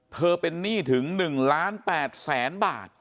เป็นหนี้ถึง๑ล้าน๘แสนบาท